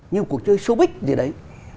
như một cuộc chơi showbiz gì đấy